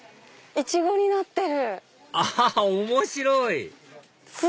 イチゴになってる。